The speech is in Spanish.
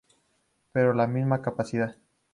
Pero la misma capacidad.